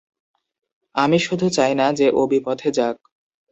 আমি শুধু চাই না যে ও বিপথে যাক।